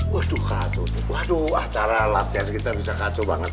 waduh waduh acara latihan kita bisa kacau banget